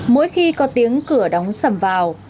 mỗi khi có tiếng cửa đóng sầm vào